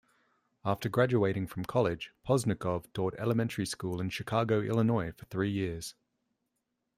After graduating from college, Poznikov taught elementary school in Chicago, Illinois for three years.